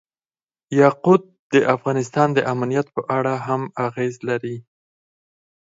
یاقوت د افغانستان د امنیت په اړه هم اغېز لري.